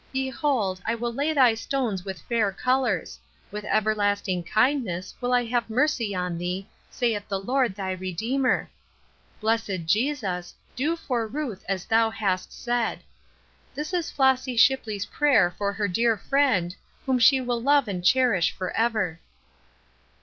Be hold, I will lay thy stones with fair colors ; with everlasting kindness will I have mercy on thee, saith the Lord, thy Redeemer.' Blessed Jesus, Bests. 236 do for Ruth 'As thou hast said.' This is Flossy Shipley's prayer for her dear friend, whom she will love and cherish forever."